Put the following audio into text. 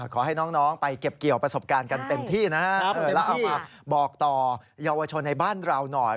ขอให้น้องไปเก็บเกี่ยวประสบการณ์กันเต็มที่นะฮะแล้วเอามาบอกต่อเยาวชนในบ้านเราหน่อย